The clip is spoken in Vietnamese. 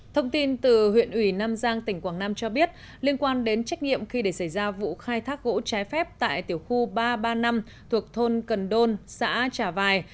thông tin từ huyện ủy nam giang tỉnh quảng nam cho biết liên quan đến trách nhiệm khi để xảy ra vụ khai thác gỗ trái phép tại tiểu khu ba trăm ba mươi năm thuộc thôn cần đôn xã trà vài